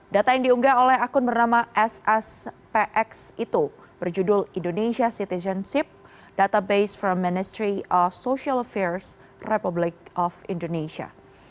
data yang diunggah oleh akun bernama sspx itu berjudul indonesia citizenship database frame ministry of social affairs republik of indonesia